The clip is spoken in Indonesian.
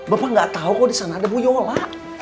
bapak gak tau kalo disana ada buguryola